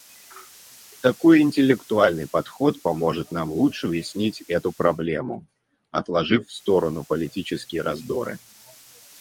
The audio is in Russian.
Такой интеллектуальный подход поможет нам лучше уяснить эту проблему, отложив в сторону политические раздоры.